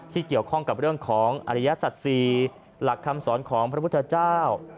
เกี่ยวข้องกับเรื่องของอริยศัตศรีหลักคำสอนของพระพุทธเจ้า